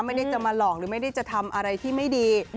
ไม่ได้จะมาหลอกหรือไม่ได้จะทำอะไรที่ไม่ดี